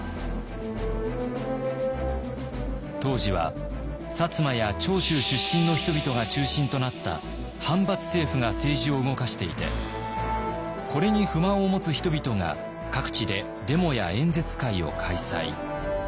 当時は摩や長州出身の人々が中心となった藩閥政府が政治を動かしていてこれに不満を持つ人々が各地でデモや演説会を開催。